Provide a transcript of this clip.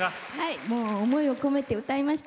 思いを込めて歌いました。